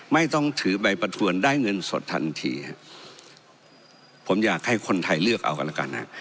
ไม่ต้องถือใบประทวนได้เงินสดทันทีผมอยากให้คนไทยเลือกเอากันแล้วกันฮะ